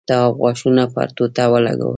تواب غاښونه پر ټوټه ولگول.